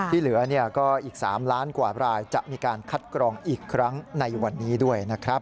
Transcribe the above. ที่เหลือก็อีก๓ล้านกว่ารายจะมีการคัดกรองอีกครั้งในวันนี้ด้วยนะครับ